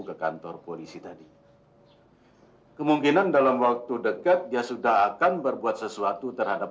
ke kantor polisi tadi kemungkinan dalam waktu dekat dia sudah akan berbuat sesuatu terhadap